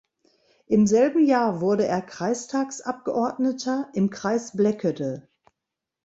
Im selben Jahr wurde er Kreistagsabgeordneter im Kreis Bleckede.